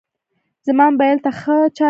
زما موبایل ته ښه چارجر لرم.